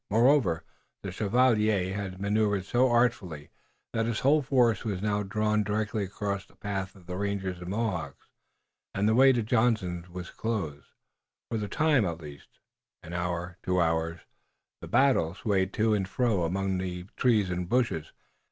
Moreover, the chevalier had maneuvered so artfully that his whole force was now drawn directly across the path of the rangers and Mohawks, and the way to Johnson was closed, for the time, at least. An hour, two hours, the battle swayed to and fro among the trees and bushes.